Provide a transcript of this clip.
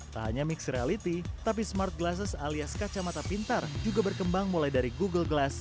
tak hanya mixed reality tapi smart glass alias kacamata pintar juga berkembang mulai dari google glass